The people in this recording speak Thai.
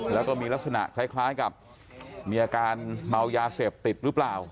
แล้วก็มีลักษณะคล้ายกับมีอาการเมายาเสพติดหรือเปล่า